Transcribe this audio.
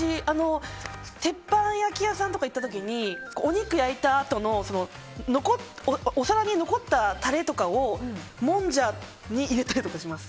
鉄板焼き屋さんとか行った時にお肉焼いたあとのお皿に残ったタレとかをもんじゃに入れたりとかします。